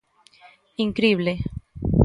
¡Incrible!